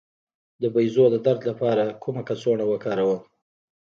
د بیضو د درد لپاره کومه کڅوړه وکاروم؟